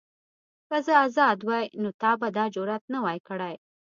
که زه ازاد وای نو تا به دا جرئت نه وای کړی.